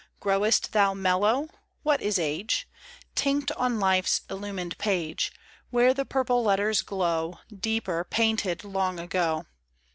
Grow'st thou mellow ? What is age ? Tinct on life's illumined page, Where the purple letters glow Deeper, painted long ago.